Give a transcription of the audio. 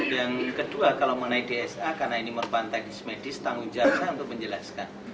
yang kedua kalau mengenai dsa karena ini merupakan teknis medis tanggung jawabnya untuk menjelaskan